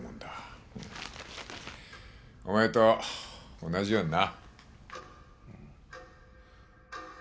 お前と同じようにな。